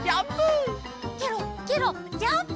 ケロッケロッジャンプ！